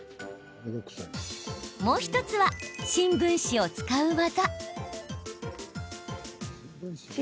もう１つは新聞紙を使う技。